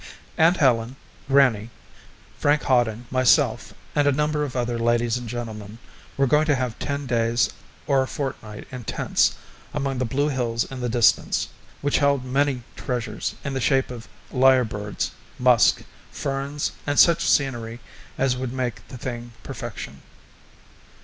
Aunt Helen, grannie, Frank Hawden, myself, and a number of other ladies and gentlemen, were going to have ten days or a fortnight in tents among the blue hills in the distance, which held many treasures in the shape of lyrebirds, musk, ferns, and such scenery as would make the thing perfection.